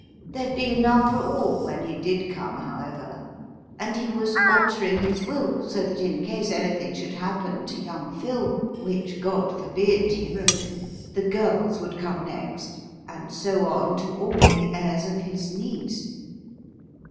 There'd be enough for all when he did come, however, and he was altering his will so that in case anything should happen to young Phil 'which God forbid,' he wrote the girls would come next, and so on to all the heirs of his niece.